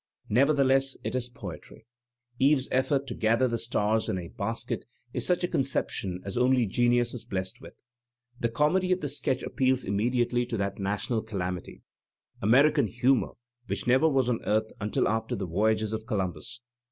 Nevertheless it is poetry. Eve*s eflFort to gather the stars in a basket is such a conception as only genius is blessed with. The comedy of the sketch appeals immediately to that national calamity, American humour, which never was on earth imtil after the voyages of Columbus.